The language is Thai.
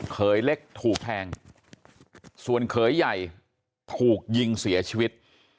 เขยเล็กถูกแทงส่วนเขยใหญ่ถูกยิงเสียชีวิต